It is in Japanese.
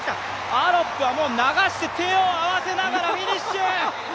アロップは流して、手を合わせながらフィニッシュ！